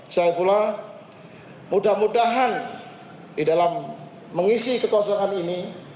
saya pula mudah mudahan di dalam mengisi kekosongan ini